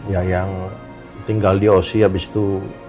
ya yang tinggal di oc abis itu